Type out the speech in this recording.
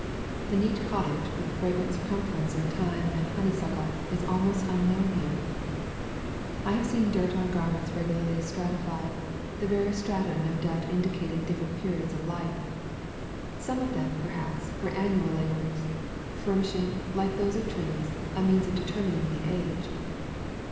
The neat cottage with a fragrant circumference of thyme and honeysuckle is almost unknown here. I have seen dirt on garments regularly stratified, the various strata no doubt indi cating different periods of life. Some of them, perhaps, were annual layers, furnishing, like those of trees, a means of determining the age.